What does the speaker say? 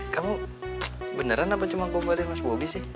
kamu beneran apa cuma kombarin mas bobby sih